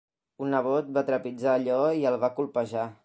Un nebot va trepitjar allò i el va copejar.